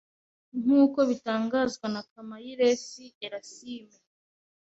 nk’uko bitangazwa na Kamayiresi Erasme